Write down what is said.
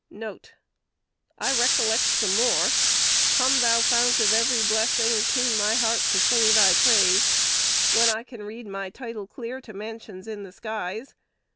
1 1 "I recollect some more: 'Come, thou Fount of every blessing, Tune my heart to sing thy praise.' 'When I can read my title clear To mansions in the skies!'